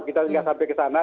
kita nggak sampai ke sana